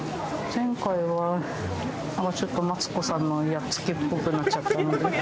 前回はちょっとマツコさんのやっつけっぽくなっちゃったので。